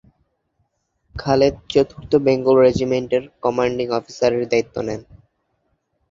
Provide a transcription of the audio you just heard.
খালেদ চতুর্থ বেঙ্গল রেজিমেন্টের কমান্ডিং অফিসারের দ্বায়িত্ব নেন।